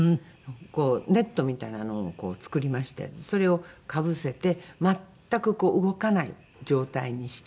こうネットみたいなのを作りましてそれをかぶせて全く動かない状態にして。